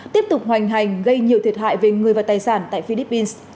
tiếp tục hoành hành gây nhiều thiệt hại về người và tài sản tại philippines